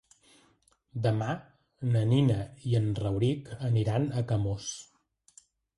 Demà na Nina i en Rauric aniran a Camós.